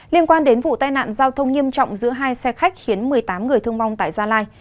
liên quan đến vụ tai nạn giao thông nghiêm trọng giữa hai xe khách khiến một mươi tám người thương vong tại gia lai